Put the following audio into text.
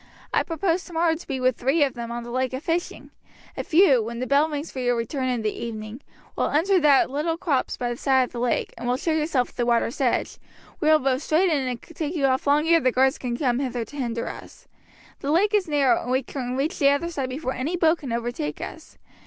I propose tomorrow to be with three of them on the lake afishing. If you, when the bell rings for your return in the evening, will enter that little copse by the side of the lake, and will show yourself at the water's edge, we will row straight in and take you off long ere the guards can come hither to hinder us. The lake is narrow, and we can reach the other side before any boat can overtake us.